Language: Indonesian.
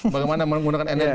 bagaimana menggunakan energi